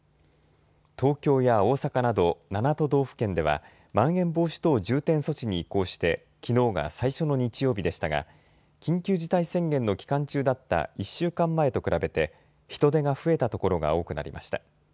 東京や大阪など７都道府県ではまん延防止等重点措置に移行してきのうが最初の日曜日でしたが、緊急事態宣言の期間中だった１週間前と比べて人出が増えたところが多くなりました。